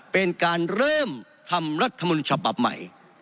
เป็นการเริ่มทำรัฐมนุนฉบับใหม่